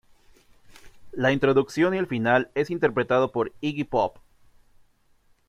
La introducción y el final es interpretado por Iggy Pop.